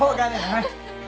はい。